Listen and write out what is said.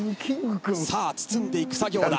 さあ包んでいく作業だ。